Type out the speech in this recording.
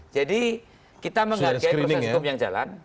jadi kita menghargai proses hukum yang jalan